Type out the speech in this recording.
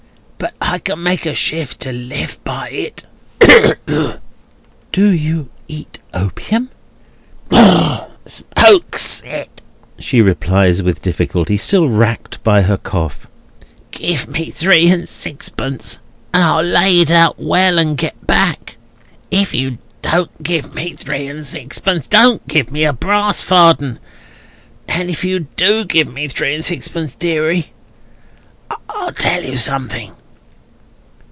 —but I can make a shift to live by it." "Do you eat opium?" "Smokes it," she replies with difficulty, still racked by her cough. "Give me three and sixpence, and I'll lay it out well, and get back. If you don't give me three and sixpence, don't give me a brass farden. And if you do give me three and sixpence, deary, I'll tell you something."